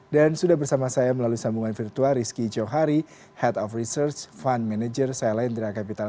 dan sudah bersama saya melalui sambungan virtual rizky johari head of research fund manager saya lain dira kapital